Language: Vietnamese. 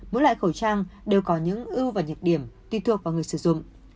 mỗi loại khẩu trang đều có những ưu và nhược điểm tùy thuộc vào người sử dụng